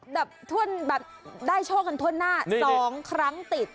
แบบได้โชคกันทั่วหน้า๒ครั้งติด